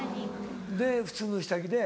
で普通の下着で。